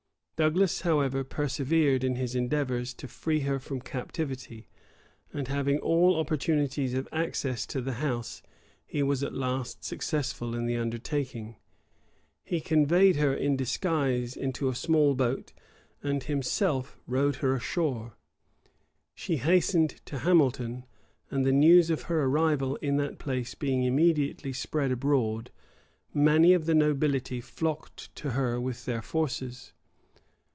Douglas, however, persevered in his endeavors to free her from captivity; and having all opportunities of access to the house, he was at last successful in the undertaking. He conveyed her in disguise into a small boat, and himself rowed her ashore. She hastened to Hamilton; and the news of her arrival in that place being immediately spread abroad, many of the nobility flocked to her with their forces.